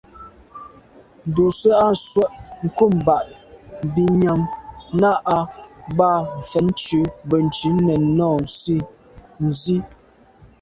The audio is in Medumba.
Ndùse à swe’ nkum bag mbi nyam nà à ba mfetnjù Benntùn nèn nô nsi nzi.